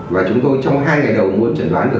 và chúng tôi trong hai ngày đầu mới chẩn đoán được